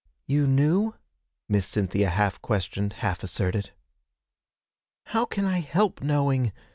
'You knew?' Miss Cynthia half questioned, half asserted. 'How can I help knowing!'